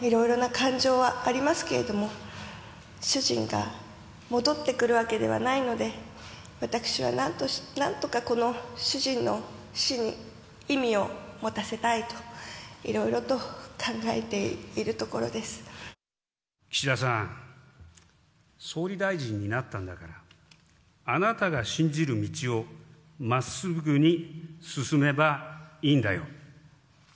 いろいろな感情はありますけれども、主人が戻ってくるわけではないので、私はなんとかこの主人の死に意味を持たせたいと、いろいろと考え岸田さん、総理大臣になったんだから、あなたが信じる道をまっすぐに進めばいいんだよ。